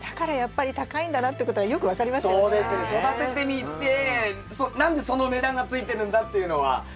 育ててみて何でその値段がついてるんだっていうのは改めて分かりましたね。